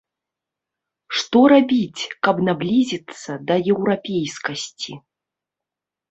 Што рабіць, каб наблізіцца да еўрапейскасці?